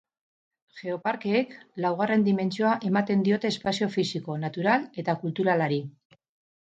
Geoparkeek laugarren dimentsioa ematen diote espazio fisiko, natural eta kulturalari.